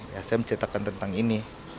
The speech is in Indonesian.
saya menceritakan tentang ini